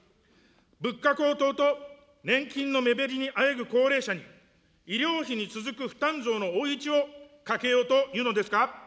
物価高騰と年金の目減りにあえぐ高齢者に、医療費に続く負担増の追い打ちをかけようというのですか。